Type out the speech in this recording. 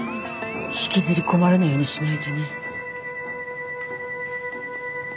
引きずり込まれないようにしないとね。